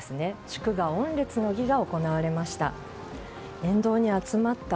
祝賀御列の儀が行われました。